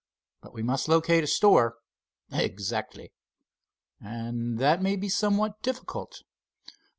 But we must locate a store." "Exactly." "And that may be somewhat difficult."